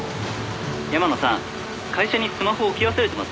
「山野さん会社にスマホ置き忘れてますよ」